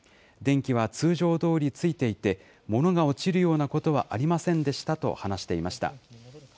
電気は通常どおりついていて、ものが落ちるようなことはありませんでしたと話していました。